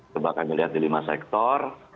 coba kami lihat di lima sektor